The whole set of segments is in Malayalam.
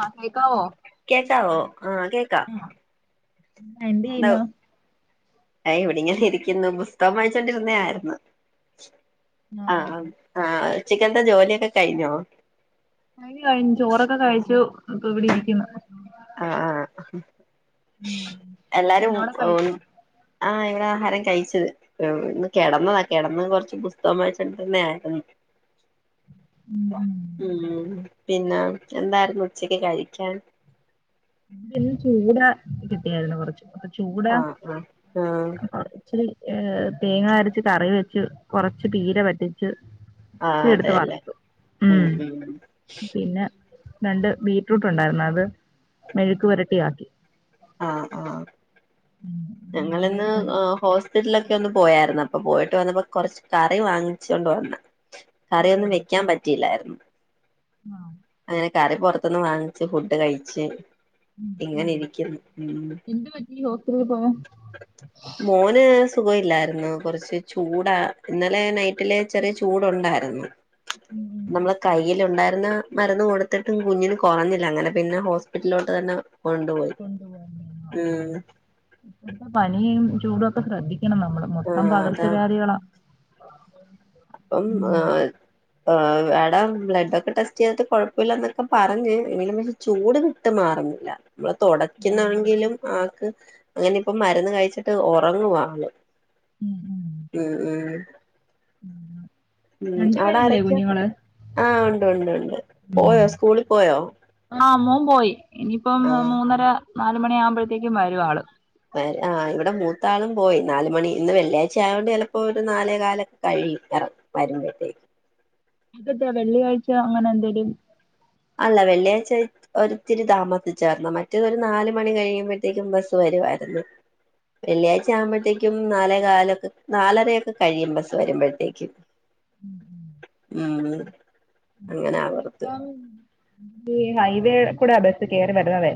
ആ കേക്കാവൊ കേക്കാവോ ആ കേക്ക. എന്തെയ്യുന്നു എ ഇവിടെങ്ങനെ ഇരിക്കുന്നു. പുസ്തകം വായ്ച്ചോണ്ടിര്ന്നേയായ്ര്ന്ന്. ആഹ് ആഹ് അഹ് അഹ് ആ ഉച്ചക്കത്തെ ജോലിയൊക്കെ കയ്ഞ്ഞോ കൈഞ് കയ്ഞ്ഞ് ചോറൊക്കെ കഴിച്ചു. ഇപ്പ ഇവിടെരിക്കുന്നു. അഹ് ആഹ് ഉം പിന്നെ എല്ലാരും അവിടെ കഴിച്ചോ ആഹ് ഇവടെ ആഹാരം കഴിച്ചു ഒന്ന് കെടന്നതാ കെടന്ന് കൊർച്ച് പുസ്തകം വായ്ചോണ്ടിര്ന്നെ ആര്ന്ന്. ഉം പിന്ന എന്താര്ന്നു ഉച്ചക്ക് കഴിക്കാൻ? ഇന്ന് ചൂടാ കിട്ട്യായിര്ന്നു കൊറച്ച് പ ചൂടാ ആഹ് ആഹ് ആഹ് ഇച്ചരി തേങ്ങാരച്ച് കറി വെച്ച് കൊറച്ച് പീര വറ്റിച്ച്. ആഹ് ഇച്ചിര്യെടുത്ത് അതെല്ലേ വർത്തു ഉം മ് ഉം പിന്ന രണ്ട് ബീറ്റ്റൂട്ട്ണ്ടാര്ന്നു അത് മെഴുക്ക്‌ വരട്ടിയാക്കി. ആഹ് ആഹ് ഉം. അങ്ങനെ ഞങ്ങളിന്ന് ഊണൊക്കെ കഴിച്ച്. ഹോസ്റ്റൽലൊ ന്ന് പോയാര്ന്ന് അപ്പ പോയിട്ട് വന്നപ്പൊ കൊറച്ച് കറി വാങ്ങിച്ചൊണ്ട് വന്ന്. ആ, കറിയൊന്നും വെക്കാൻ പറ്റില്ലാര്ന്നു. ആഹ് അങ്ങനെ കറി പൊർത്ത്ന്ന് വാങ്ങിച്ച് ഫുഡ് കഴിച്ച്. ഉം, ഉം. ഇങ്ങനിരിക്കുന്ന് ഉം എന്ത് പറ്റി ഹോസ്പിറ്റലിൽ പോവാൻ മോന് സുഖൊല്ലായ്ര്ന്നു കൊറച്ച് ചൂടാ ഇന്നലെ നൈറ്റില് ചെറ്യ ചൂടുണ്ടായ്ര്ന്ന്. ഉം ഉം. നമ്മളെ കയ്യിലുണ്ടായ്ര്ന്ന മരുന്ന് കൊടുത്തിട്ടും കുഞ്ഞിന് കൊറഞ്ഞില്ല അങ്ങന പിന്ന ഹോസ്പിറ്റല്ലോട്ട് തന്നെ കൊണ്ടുപോയി. കൊണ്ടുപോയിരുന്നു ആ ഉം ഇപ്പളത്ത പനീം ചൂടൊക്കെ ശ്രദ്ധിക്കണം നമ്മള്. ആ മൊത്തം പകർച അതാ വ്യാധികളാ അപ്പം ആൻ ആ് എടാ ബ്ലഡൊക്കെ ടെസ്റ്റെയ്ത്ട്ട് കൊഴപ്പല്ല ന്നൊക്കെ പറഞ്ഞ് എമിലും മി ചൂട് വിട്ട് മാറുന്നില്ല നമ്മളെ മാറ തൊടക്കുന്നാണെങ്കിലും ആക്ക് അങ്ങനിപ്പ മരുന്ന് കഴിച്ചിട്ട് ഒറങ്ങുവാ അവള് ഉം ഉം ഉം രണ്ടു പേരില്ലേ അവടാരൊക്ക കുഞ്ഞുങ്ങള് ആഹ് ഉണ്ട് ഉണ്ട് ഉണ്ട് പോയോ സ്കൂളിൽ പോയോ ആഹ് മോൻ പോയി ഇനിയിപ്പം ആഹ് മൂന്നര നാലുമണിയാകുമ്പോഴ്ത്തേക്കും വരും ആള് വരാ ഇവടെ മൂത്താളും പോയി നാല് മണി ഇന്ന് വെള്ളിയാഴ്ച ആയോണ്ട് ചെലപ്പോ ഒരു നാലേ കാലൊക്കെ കഴിയും എറ വരുമ്പഴ്ത്തേക്ക് അത ന്താ വെള്ളിയാഴ്ച അങ്ങനെ എന്തേങ്കിലും അല്ല വെള്ളിയാഴ്ചയ് ഒരിത്തിരി താമസിച്ചാർന്നു മറ്റേ ഒര് നാല് മണി കഴിയുമ്പഴ്ത്തേക്കും ബസ് വരുവായിരുന്നു വെള്ളിയാഴ്ച ആവുമ്പഴ്ത്തേക്കും നാലേ കാലൊക്കെ നാലരയൊക്കെ കഴിയും ബസ്സ് വരുമ്പഴ്ത്തേക്ക് ഉം അങ്ങനെ അവർക്ക് ഇപ്പം ഈ ഹൈവേ കുടെ ബസ്സ്‌കേറി വര്ന്നതെ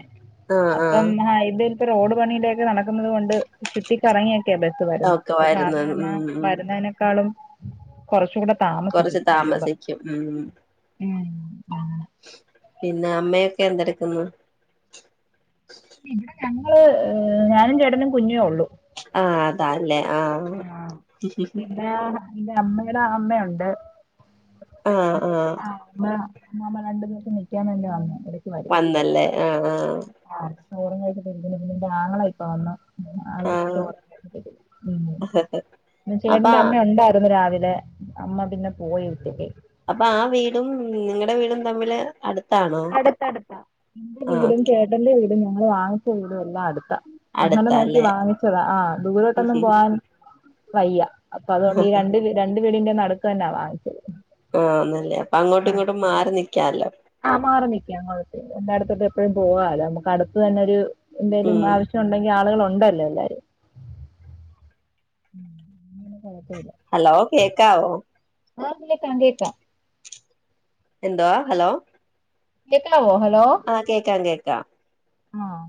ആഹ് ആഹ് ഇപ്പം ഹൈവേത്തെ റോഡ് പണീടെ ഒക്കെ നടക്കുന്നത് കൊണ്ട് ചുറ്റിക്കറങ്ങിയെ ക്കെ ബെസ്റ്റ് വരുന്ന ഒക്കെ വരുന്നത് അപ്പസാധാരണ ഉം ഉം വരുന്നേനെക്കാളും കൊർച്ച് കൂടെ താമ കൊറച്ച് താമസിക്കും ഉം ഉം പിന്നെ അമ്മയെക്കെ എന്തെടുക്കുന്നു ഇവിടെ ഞങ്ങള് ഞാനും ചേട്ടനും കുഞ്ഞേ ഒള്ളു ആഹ് അതാല്ലേ ആഹ് ഇന്റെ അമ്മയുടെ അമ്മയുണ്ട് ആഹ് ആഹ് ആ, അമ്മ അമ്മാമ്മ രണ്ടു ദിവസം നിൽക്കാൻ വേണ്ടി വന്ന [unintelligible] വന്നല്ലേ ആഹ് ആഹ് ആഹ് ചോറും കഴിചിട്ട് പിന്നെന്റെ ആങ്ങളയിപ്പം വന്ന ആള് ആഹ് ചോറ് അപ്പ ഉംചേട്ടന്റെ അമ്മ ഉണ്ടായിരുന്നു രാവിലെ അമ്മ പിന്നെ പോയി വീട്ട്ല് അപ്പൊ ആ വീടും നിങ്ങടെ വീടും തമ്മില് അടുത് അടുത്തടുത്താ ഇന്റെ വീടും ഓക്കെ ചേട്ടന്റെ വീടും ഞങ്ങൾ വാങ്ങിച്ച വീടും എല്ലാം അടുത്താ അങ്ങനെ നോക്കി അടുത്താല്ലേ വാങ്ങിച്ചതാ ആ ദൂരോട്ടൊന്നും പോവാൻ വയ്യ അപ്പൊ അതുകൊണ്ട് ഈ രണ്ട് രണ്ട് വീടിന്റെ നട്ക്ക് തന്നാ വാങ്ങിച്ചത് ആന്നല്ലേ അപ്പൊ അങ്ങോട്ടും ഇങ്ങോട്ടും മാറി നിക്കാലോ ആഹ് മാറി നിക്കാം കൊഴപ്പില്ല എന്നാ അടുത്തോട്ട് എപ്പോഴും പോവാലോ നമുക്ക് അടുത്ത് തന്നെ ഒരു എന്തേലും ഉം ആവശ്യം ഉണ്ടെങ്കി ആളുകള് ഉണ്ടല്ലോ ന്തയ് ഹലോ കേക്കാവോ ആഹ് കേക്കാം കേക്കാം എന്തോ ഹലോ കേക്കാവോ ഹലോ ആഹ് കേക്കാം കേക്കാം ആഹ്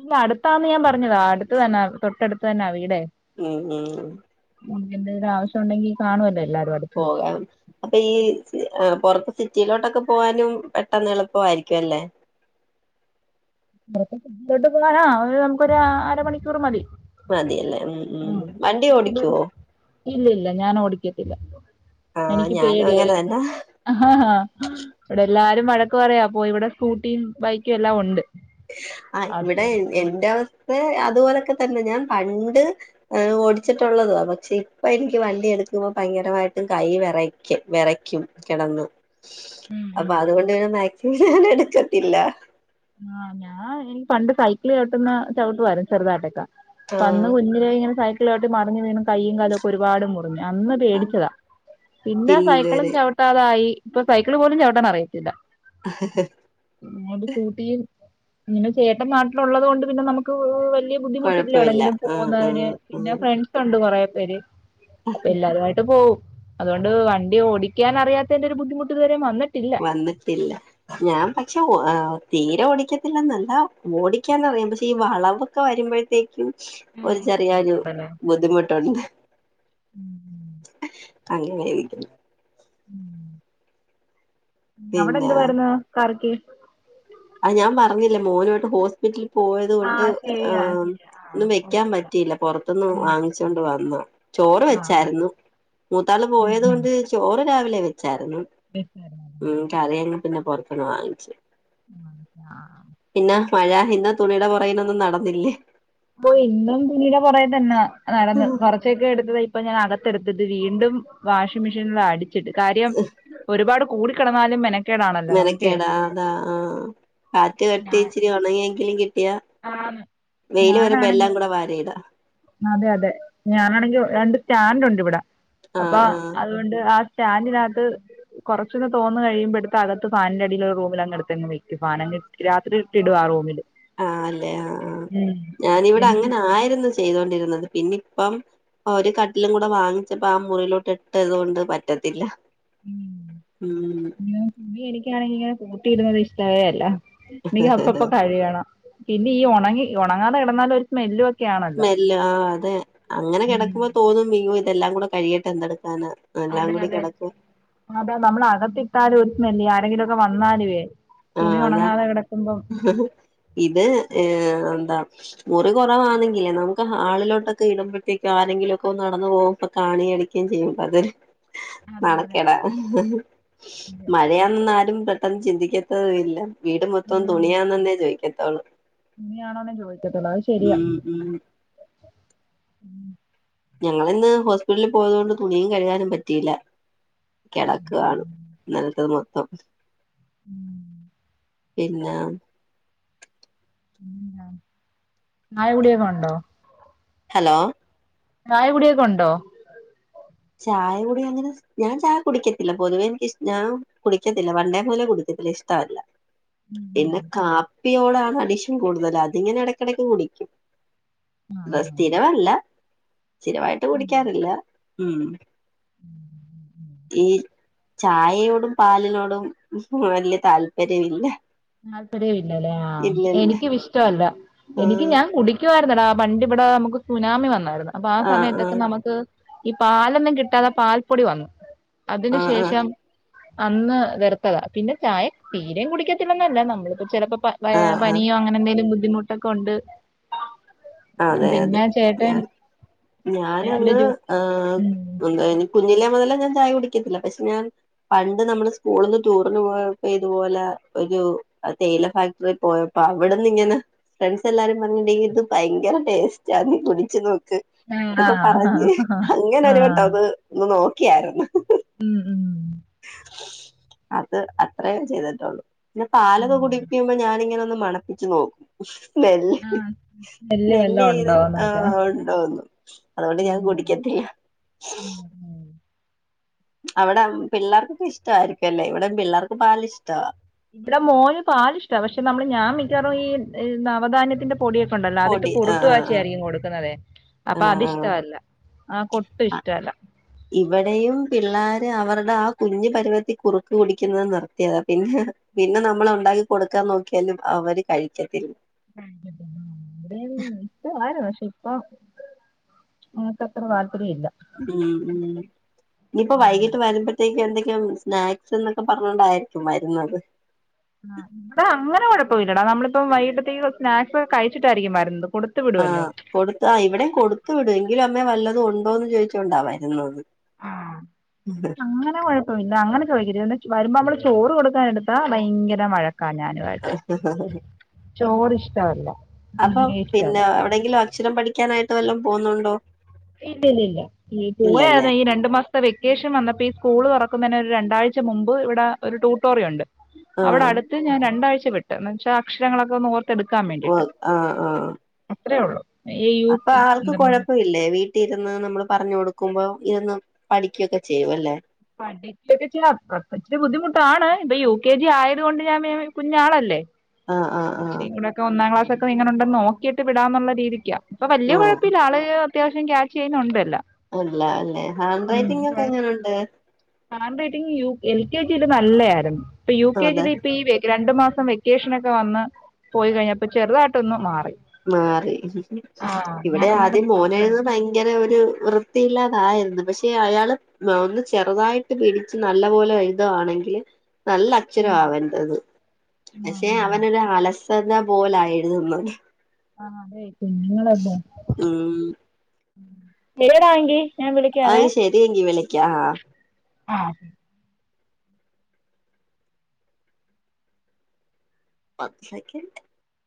ഇങ് അടുത്താന്ന് ഞാൻ പറഞ്ഞതാ അടുത്ത് തന്നെ തൊട്ടടുത്ത് തന്നെ വീടെ ഉം ഉം ഉം എനിക്ക് എന്തേലും ഒരു ആവശ്യം ഉണ്ടെങ്കി കാണുവല്ലോ എല്ലാരും അട് പോകാം അപ്പൊ ഈ എഹ് പൊ റത്ത് സിറ്റിയിലോട്ടൊക്കെ പോവാനും പെട്ടെന്ന് എളുപ്പവായിരിക്കും അല്ലേ ഇബടത്തെ സിറ്റിയിലോട്ട് പോകാന് ആഹ് ഒരു നമുക്കൊരു അരമണിക്കൂർ മതി മതിയല്ലേ ഉം ഉം വണ്ടി ഓടിക്കോ ഇല്ല ഇല്ല ഞാൻ ഓടിക്കത്തില്ല ആഹ് എനിക്ക് ഞാനും അങ്ങനെ പേടിയായേ തന്നെ ആഹ് ആഹ് ഇവിടെ എല്ലാരും വഴക്ക് പറയാ അപ്പൊ ഇവിടെ സ്കൂട്ടിയും ബൈക്കും എല്ലാം ഉണ്ട് ആഹ് ഇവിടെ അതെ എന്റെ അവസ്ഥേ അതുപോലൊക്കെതന്നെ ഞാൻ പണ്ട് എഹ് ഓടിച്ചിട്ടുള്ളതുവാ പക്ഷെ ഇപ്പ എനിക്ക് വണ്ടി എടുക്കുമ്പോ ഭയങ്കരമായിട്ട് കയ്യ് വെറയ്ക്കും വെറയ്ക്ക്യും കെടന്ന് ഉം അപ്പൊ ഉം അതുകൊണ്ട് പിന്നെ മാക്സിമം ഞാൻ എടുക്കത്തില്ല ആഹ് ഞാൻ എനിക്ക് പണ്ട് സൈക്ക്ള് ചവിട്ടുന്ന ചവുട്ടുവായിരന്നു ചെറുതായിട്ടൊക്കെ ആ അപ്പന്ന് കുഞ്ഞിലേ ഇങ്ങനെ സൈക്ക്ള് ചവുട്ടി മറിഞ്ഞ് വീണ് കയ്യും കാലും ഒക്കെ ഒരുപാട് മുറിഞ്ഞ് അന്ന് പേടിച്ചതാ പിന്നെ സൈക്കിളും ചവ് ട്ടാതായി ഇപ്പൊ സൈക്കിള് പോലും ചവിട്ടാൻ അറിയത്തില്ല ആ ഇതുങ്ങൊണ്ട് സ്കൂട്ടിയും ഇങ്ങനെ ചേട്ടൻ നാട്ടില് ഉള്ളത് കൊണ്ട് പിന്നെ നമുക്ക് വെല്യെ ബുദ്ധിമുട്ടില്ല കൊഴപ്പമില്ല എവിടെയെങ്കിലും ആ ആ പോകുന്നതിന് ആ പിന്നെ ഫ്രണ്ട്സ് സൊണ്ട് കൊറേ പേര് അപ്പ എല്ലാരുവായിട്ട് പോവും അതുകൊണ്ട് വണ്ടി ഓടിക്കൻ അറിയാത്തതിന്റെ ഒരു ബുദ്ധിമുട്ട് ഇതുവരെ മന്നിട്ടില്ല വന്ന്ട്ടില്ല ഞാൻ പക്ഷെ തീരെ ഓടിക്കത്തില്ലെന്നല്ല ഓടിക്കാനറിയാം പക്ഷെ ഈ വളവ് ഒക്കെ വരുമ്പഴത്തേക്ക്യും ഉം ഒരു ചെറിയ ആ ഒരു ബുദ്ധിമുട്ടുണ്ടല്ലേ ബുദ്ധിമുട്ടുണ്ട് അങ്ങനാ ഇരിക്ക്ന്ന് അവടെ പിന്നെ എന്തുവാര്ന്നു കറിക്ക് അഹ് ഞാൻ പറഞ്ഞില്ലേ മോന് ആയിട്ട് ഹോസ്പിറ്റല് പോയത് കൊണ്ട് ആഹ് എഹ് ശരിയാ മ് ശരിയാ ആഹ് ഒന്നും വെക്കാൻ ഓർത്തില്ല പറ്റിയില്ല പൊറത്ത്ന്ന് ഉം വാങ്ങിച്ചോണ്ട് വന്നു ചോറ് ആഹ് വെച്ചായിരുന്നു മൂത്താള് ഉം പോയത് ഉം കൊണ്ട് ചോറ് രാവിലെ വെച്ചായിരുന്നു ഉം കറി അങ്ങ് പിന്നെ പൊർത്ത്ന്ന് വാങ്ങിച്ച് ഉം ഉം ആഹ് ആഹ് ആഹ് ആഹ് പിന്നെഹ് മഴ ഇന്ന് തുണിയുടെ പൊറകിനൊന്നും നടന്നില്ലേ ഓഹ് ഇന്നും തുണിയുടെ പൊറകി തന്നാ നടന്ന് വറക് പച്ചയെക്കെ എടുത്ത് വെയ് ഇപ്പ ഞാൻ അകത്തെടുത്തിട്ട് വീണ്ടും വാഷിംഗ് മെഷീന്ല് അടി ച്ചിട്ട് കാര്യം ഒരുപാട് കൂടിക്കെടന്നാലും മെന മെനക്കേടാ ആഹ് അതാ ആഹ് കാറ്റ് കിട്ടി ഞാൻ ഇച്ചിരി ഒണങ്ങിയെങ്കിലും കിട്ടിയാ ആന്ന് വെയ്ല് വെരുമ്പൊ ഞാനാണെങ്കി എല്ലാം കൂടെ വാരി ഇടാ അതെ അതെ ഞാനാണെങ്കി രണ്ട് സ്റ്റാൻന്റ് ഉണ്ട് ഇവിടെ അപ്പൊ ആഹ് ആഹ് അത് ത്കൊണ്ട് ആ സ്റ്റാന്റിനകത്ത് കൊറച്ചൊന്ന് തോർന്ന് കഴിയുമ്പൊ എട്ത്ത് അകത്ത് ഫാനിന്റെ അടിയില് ഒര് റൂമിലങ്ങ് എട്ത്തങ്ങ് വെക്കും ഫാനങ്ങണ്ട് രാത്രി ഇട്ട് ഇടും ആ റൂമില് ആഹ് ല്ലേ ആഹ് ആഹ് ഞാനിവിടെ എനിക്ക് അങ്ങനെ ആയിരുന്നു ചെയ്തോണ്ടിരുന്നത് പിന്നി ഇപ്പം ആഹ് ഒരു കട്ടിലും കൂടെ വാങ്ങിച്ചപ്പോ ആ മുറിയിലോട്ട് ഇട്ടത്കൊണ്ട് പറ്റത്തില്ല ഉം ഉം പിന്നെ തുണിഎനിക്കാണെങ്കി ഇങ്ങനെ കൂട്ടിയിടുന്നത് ഇഷ്ടവേ അല്ല എനിക്ക് അപ്പപ്പ കഴ്കണം പിന്നെ ഈ ഉണങ്ങി ഉണങ്ങാതെ കിടന്നാലൽ ഒരു സ്മെല്ലുംക്കെയാണ് സ്മെല്ല് ആ അതെ അങ്ങനെ കിടക്കുമ്പോ തോന്നും മീ ഇതെല്ലാം കൂടെ കഴിയയിട്ട് എന്തെടുക്കാന് അതെ അതെ അതാ നമ്മള അകത്തി ഇട്ടാലും ഒരുത്തുന്നില്ലേ ആരെങ്കിലുംക്കെ വന്നാല വേ ആ തുണി അതാ ഉണങ്ങാതെ കിടക്കുമ്പം ഇത് ഏ എന്താ മുറി കുറവാണെങ്കിലേ നമുക്ക് ഹാളിലോട്ടൊക്കെ ഇടുമ്പോഴേക്കെ ആരെങ്കിലുമ ഒക്കെ നടന്നു പോകും ഇപ്പൊ കാണി കടിക്കയും ചെയ്യും അത് നണ അതെ അതെ കേടാ അതെ മഴയാെന്നാലും പെട്ടെന്ന് ചിന്തിക്ക ഇല്ല വീട് മൊത്തം തുണിയാന്നന്നേ ചോദിക്കാത്തള്ളൂ തുണിയാണോന്നൻ ചോദിക്കത്തുള്ളത് അത് ശരിയാ ഉം ഞങ്ങള ഇന്ന് ഹോസ്പിറ്റലിൽ പോയത കൊണ്ട് തുണിയും കഴുകാനും പറ്റിയില്ല കിടക്കാവണ് ഇന്നല്ലത്തത് മൊത്തം ഉം പിന്നെ ഉ ചായ കുടിയൊക്കെ ഉണ്ടോ ഹലോ ചായ കുടിയൊക്കെ ഉണ്ടോ ചായ കുടി അങ്ങനെ ഞാൻ ചായ കുടിക്കത്തില്ല പൊതുവേ എനക്ക് ഇഷ്ട കുടിക്കത്തില്ല പണ്ടേ മൂല കുടിക്കത്തില്ല ഇഷ്ടമല്ല പിന്നെ കാപ്പിയോടാണ് അടിശൻ കൂടുതൽ അതിങ്ങനെ ഇടക്കിടക്ക് കുടിക്കും ആ അത് ആ സ്ഥിരമല്ല സ്ഥിരമായിട്ട് കുടിക്കാറില്ല ഉം ഉം ഉം ഉം ഈ ചായയോടും പാലിനോടും വല്യ താല്പര്യമില്ല താല്പര്യ ഇല്ലല്ലേ ആഹ് ഇല്ലല്ല എനിക്കും ഇഷ്ടമല്ല എനിക്ക് ഞാൻ ആ കുടി ക്കുരുന്നല്ലോ ആഹ് പണ്ടിവിടെ നമുക്ക് സുനാമി വന്നായിരുന്നു അപ്പൊ ആ സമയത്തൊക്കെ നമുക്ക് ഈ പാലൊന്നും കിട്ടാതെ പാൽപ്പൊടി വന്നു അതിന് ആ ശേഷം ആ അന്ന് വെർത്തതാ പിന്നെ ചായ തീരം കുടിക്കത്തില്ലന്നല്ല നമ്മളിപ്പോ ചിലപ്പോ ആ ആ പനിയോ അങ്ങനെ എന്തെങ്കിലും ബുദ്ധിമുട്ടൊക്കെ ഉണ്ട് അതെ പിന്നെ അതെ ഞാൻ ആചേട്ടൻ ഞാനങ്ങ് എ കുഞ്ഞിലെ മുതലേ ഞാൻ ചായ കുടിക്കത്തില്ല പക്ഷെ ഞാൻ പണ്ട് നമ്മള് സ്കൂളിന്ന് ടൂറിന് പോയപ്പോ ഇതുപോലെ ഒരു തേയില ഫാക്ടറിൽ പോയപ്പോ അവിടെന്ന് ഇങ്ങനെ ഫ്രണ്ട്സ് എല്ലാരും പറഞ്ഞിട്ടണ്ടെങ്കിലും ഭയങ്കര ടേസ്റ്റ ആഹ് നീ കുടിച്ചു നോക്ക് ആഹ് അതൊക്കെ ആഹ് പറഞ്ഞ് ഇങ്ങനൊരു കേട്ടോ ആഹ് അത് ഒന്ന് നോക്കിയായിരുന്നു ഉം ഉം അത് അത്രയേ ചെയ്തിട്ടുള്ളു പിന്നെ പാലൊക്കെ ഉം കുടിക്കുമ്പോ ഞാാനിങ്ങനെ ഒന്ന് മണപ്പിച്ച് നോക്കും ആഹ് സ്മെല്ല് വല്ലോം സ്മെല്ലെ ഉണ്ടോന്നൊക്കെ ആഹ് ഉണ്ടോന്നു അതുകൊണ്ട് ഞാൻ ഉം കുടിക്കത്തില്ല ഉം ഉം അവിടെ പിള്ളേർക്കൊക്കെ ഇഷ്‌ടയിരിക്കും അല്ലേ ഇവിട പിള്ളേർക്ക് പാല് ഇഷ്ടമാ ഇവിടെ മോന് പാല് ഇഷ്ട പക്ഷെ നമ്മള് ഞാൻ മിക്കാറ ഈ നവധാന്യത്തിന്റെ പൊടിയൊക്കെണ്ടല്ലോ അതിട്ട് പൊടി ആഹ് കുറുക്കു കാച്ചി ആഹ് ആയിരിക്കും കൊടുക്കുന്നതെ അപ്പൊ ആഹ് ആഹ് അതിഷ്ടമല്ല ആഹ് കൊട്ടും ആഹ് ഇഷ്ടമല്ല ഇവിടെയും പിള്ളാര് അവരുടെ ആഹ് കുഞ്ഞ് പരുവത്തി കുറുക്ക് കുടിക്കുന്നത് നിർത്തിയതാ പിന്നെ പിന്നെ നമ്മൾ ഉണ്ടാക്കി കൊടുക്കാൻ നോക്കിയാലും അവര് കഴിക്കത്തില്ല ആഹ് ഉം ഇഷ്ടാവരിന്ന് പക്ഷേ ഇപ്പം ങ്ങക്കത്ര താല്പര്യം ഇല്ല. ഉം ഉം ഇനിയിപ്പോ വൈകിട്ട് വരുമ്പോഴത്തേക്ക് എന്തെങ്കി സ്നാക്സ് എന്നൊക്കെ പറഞ്ഞോണ്ടായിരിക്കും വരുന്നത്. ആഹ് ഡ അങ്ങനെ കൊഴപ്പല്ലടാ നമ്മളിപ്പം വൈകിട്ടത്തേക്ക് സ്നാക്സ് കഴിച്ചിട്ടായിരിക്കും വരുന്നത് കൊടു ആഹ് കൊടുത്ത് ആഹ് ഇവിടെയും കൊടുത്തു വിടും എങ്കിലും അമ്മേ വല്ലതും ഉണ്ടോ എന്ന് ചോയിച്ചോണ്ടാ വരുന്നത്. ആഹ് അങ്ങനെ കൊഴ ന്ന അങ്ങനൊക്കെ ചോദിക്കരു വരുമ്പോൾ നമ്മള് ചോറ് കൊടുക്കാനടുത്താ ഭയങ്കര വഴക്ക ക്കാ ഞാനുവായിട്ട് ചോറ് ഇഷ്ടവല്ല. അപ്പൊ പിന്നെ എവിടെങ്കിലും അക്ഷരം പഠിക്കാനായിട്ട് വല്ലോം പോന്നുണ്ടോ? ഇല്ല ഇല്ല ഇല്ല ഈ പോയാര്ന്നെ രണ്ടു മാസം ഇപ്പ വെക്കേഷൻ വന്നപ്പോ ഈ സ്കൂള് തൊറക്കുന്നതിന് ഒരു രണ്ടാഴ്ച മുമ്പ് ഇവിട ഒരു ട്യൂട്ടോറിയം ഒണ്ട് അവിടെ ആഹ് അടുത്ത് ഞാൻ രണ്ടാഴ്ച വിട്ടു എന്ന് വെച്ചാൽ അക്ഷരങ്ങളൊക്കെ ഒന്ന് ഓർത്ത് ത്തെടുക്കാൻ വ വേണ്ടിട്ട് ആഹ് ആഹ് അത്രേ ഒള്ളു ഈ യു ഇ ന്തം. ഇല്ലെ വീട്ടിരുന്ന് നമ്മള് പറഞ്ഞു കൊടുക്കുമ്പോ ഇരുന്ന് പഠിക്കുകൊക്കെ ചെയ്യുല്ലേ- പഠി ഇക്കെ ഇച്ചരി ബുദ്ധിമുട്ടാണ് ഇപ്പൊ യു കെ ജി ആയത് കൊണ്ട് ഞാന് കുഞ്ഞാളല്ലേ ആഹ് ആഹ് ആഹ് ഇച്ചിരി കൂടെ ഒക്കെ ഒന്നാം ക്ലാസ് ഒക്കെങ്ങനെ ഉണ്ടന്ന് നോക്കിയിട്ട് വിടാന്നുള്ള രീതിക്കാ. ഇപ്പൊ വല്യ ആഹ് കൊഴപ്പില്ല ആള് അത്യാവശ്യം ക്യാച്ച് ചെയ്യുന്നുണ്ടല്ലാം. അല്ല അല്ലെ ഹാൻഡ് റൈറ്റിംഗക്കെ എങ്ങനെയുണ്ട്? Handwriting U L K ജില് നല്ല ആരുന്നു ഇപ്പൊ യു കെ അതെ ജില് ഇപ്പ ഈ രണ്ട് മാസം വെക്കേഷനൊക്കെ വന്ന് പോയി കഴിഞ്ഞപ്പൊ ചെറുതായിട്ടൊന്ന് മാറി മാറി ആഹ് ഇവടെ ഞാനതിങ്ങനെ ആദ്യം പറഞ്ഞ് മോനാര്ന്ന് ഭയ ഭയങ്കര ഒരു വൃത്തിയില്ലാതായ്ര്ന്നു പക്ഷെ അയാള് ന്ന ഒന്ന് ചെറുതായിട്ട് പിടിച്ച് നല്ല പോലെ എഴുതാണെങ്കി നല്ല അക്ഷര അവൻ്റത് പക്ഷെ ആഹ് അവനൊരു അലസ ന്നാ പോലാ എഴുത് ന്നത്. ആഹ് അതെ കുഞ്ഞുങ്ങളല്ലേ ഉം [unintelligible] എവിടങ്കീ ആയ് ശെരിയെങ്കി വിളിക്കാ ആഹ്. ആഹ്. കൊർച്ചൊക്കേണ്ട്.